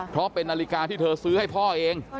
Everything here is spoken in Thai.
เพราะเป็นนาฬิกาที่เธอซื้อให้พ่อเอง